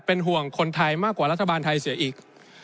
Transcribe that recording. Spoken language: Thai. เป็นห่วงคนไทยมากกว่ารัฐบาลไทยเสียอีก